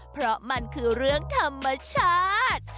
เพราะมันคือเรื่องธรรมชาติ